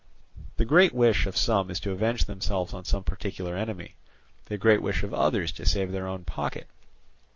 The great wish of some is to avenge themselves on some particular enemy, the great wish of others to save their own pocket.